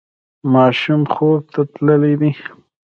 ماشوم خوب ته تللی دی.